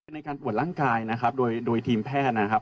ในการตรวจร่างกายนะครับโดยโดยทีมแพทย์นะครับ